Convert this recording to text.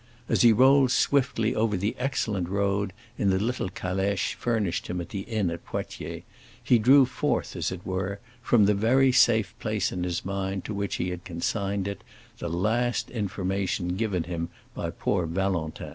As he rolled swiftly over the excellent road in the little calèche furnished him at the inn at Poitiers, he drew forth, as it were, from the very safe place in his mind to which he had consigned it, the last information given him by poor Valentin.